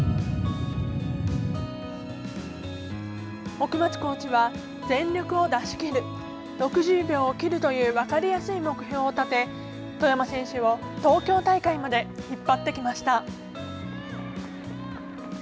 奥松コーチは「全力を出し切る」「６０秒を切る」という分かりやすい目標を立て外山選手を東京大会まで引っ張ってきました。